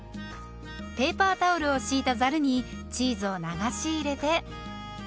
ペーパータオルを敷いたざるにチーズを流し入れて。